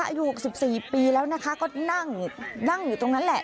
อายุ๖๔ปีแล้วนะคะก็นั่งอยู่ตรงนั้นแหละ